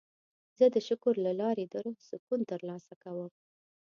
زه د شکر له لارې د روح سکون ترلاسه کوم.